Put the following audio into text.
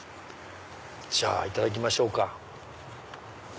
じゃあいただきましょうか。